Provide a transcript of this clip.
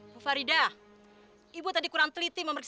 bu faridah ibu tadi kurang teliti memeriksakan